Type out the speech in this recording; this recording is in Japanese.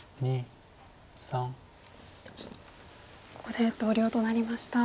ここで投了となりました。